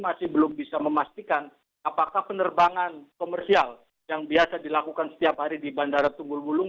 masih belum bisa memastikan apakah penerbangan komersial yang biasa dilakukan setiap hari di bandara tunggul bulung